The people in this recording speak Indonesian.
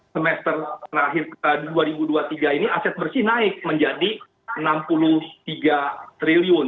semester terakhir dua ribu dua puluh tiga ini aset bersih naik menjadi rp enam puluh tiga triliun